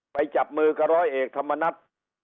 จับมือกับร้อยเอกธรรมนัฐ